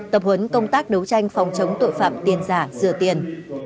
tập huấn công tác đấu tranh phòng chống tội phạm tiền giả rửa tiền